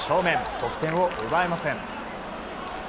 得点を奪えません。